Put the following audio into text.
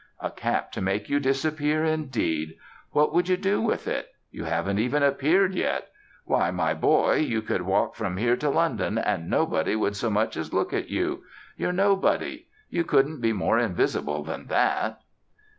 A cap to make you disappear, indeed! What would you do with it? You haven't even appeared yet. Why, my boy, you could walk from here to London, and nobody would so much as look at you. You're nobody. You couldn't be more invisible than that."